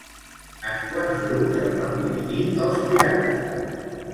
En quants grups es van dividir els pirates?